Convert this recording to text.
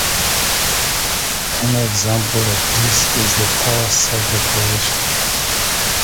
An example of this is the power set operation.